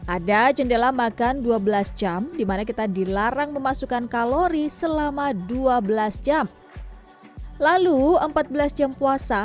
ada jendela makan dua belas jam dimana kita dilarang memasukkan kalori selama dua belas jam lalu empat belas jam puasa